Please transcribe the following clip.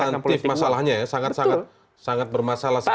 walaupun sangat substansif masalahnya ya sangat sangat bermasalah sekali